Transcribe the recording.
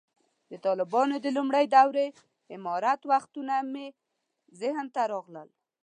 د طالبانو د لومړۍ دورې امارت وختونه مې ذهن ته راغلل.